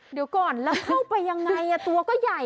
เดี๋ยวก่อนแล้วเข้าไปยังไงตัวก็ใหญ่